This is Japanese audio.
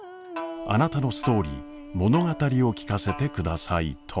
あなたのストーリー物語を聞かせてくださいと。